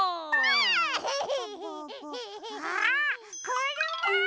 くるま！